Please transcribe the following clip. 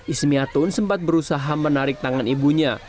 ismiatun sempat berusaha menarik tangan ibunya